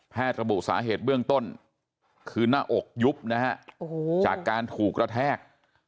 ระบุสาเหตุเบื้องต้นคือหน้าอกยุบนะฮะจากการถูกระแทก